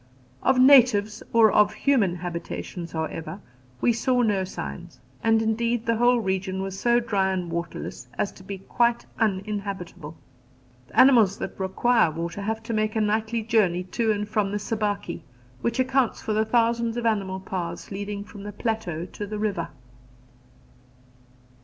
Of natives or of human habitations, however, we saw no signs, and indeed the whole region was so dry and waterless as to be quite uninhabitable. The animals that require water have to make a nightly journey to and from the Sabaki, which accounts for the thousands of animal paths leading from the plateau to the river.